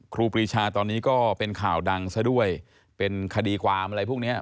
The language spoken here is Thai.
ครูปรีชาตอนนี้ก็เป็นข่าวดังซะด้วยเป็นคดีความอะไรพวกเนี้ย